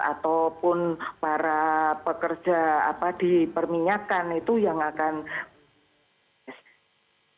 ataupun para pekerja di perminyakan itu yang akan